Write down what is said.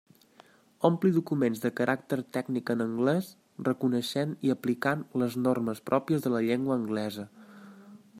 Ompli documents de caràcter tècnic en anglés reconeixent i aplicant les normes pròpies de la llengua anglesa.